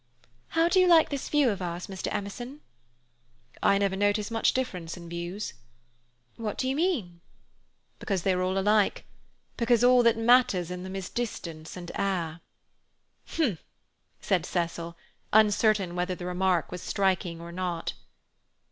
"How do you like this view of ours, Mr. Emerson?" "I never notice much difference in views." "What do you mean?" "Because they're all alike. Because all that matters in them is distance and air." "H'm!" said Cecil, uncertain whether the remark was striking or not.